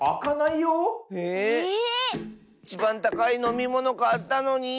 いちばんたかいのみものかったのに。